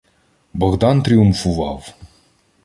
Богдан тріумфував: